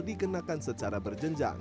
dikenakan secara berjenjilan